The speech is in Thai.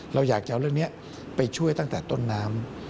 เราอยากจะเอาเรื่องนี้ไปช่วยตั้งแต่ต้นน้ำ